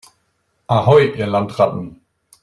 Ahoi, ihr Landratten!